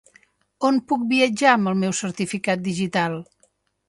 On puc viatjar amb el meu certificat digital?